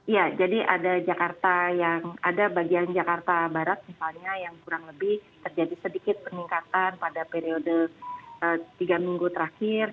ya jadi ada jakarta yang ada bagian jakarta barat misalnya yang kurang lebih terjadi sedikit peningkatan pada periode tiga minggu terakhir